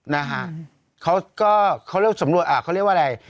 นะฮะเขาก็เขาเริ่มสำรวจอ่าเขาเรียกว่าอะไร